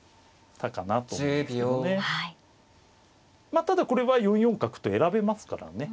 まあただこれは４四角と選べますからね。